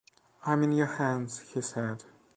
“I am in your hands,” he said.